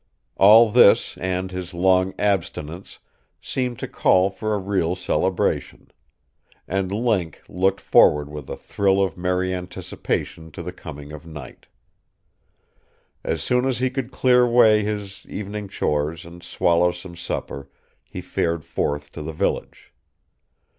All this and his long abstinence seemed to call for a real celebration. And Link looked forward with a thrill of merry anticipation to the coming of night. As soon as he could clear away his evening chores and swallow some supper he fared forth to the village.